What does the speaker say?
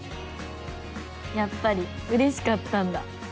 やっぱりうれしかったんだ。